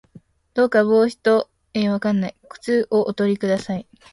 どうか帽子と外套と靴をおとり下さい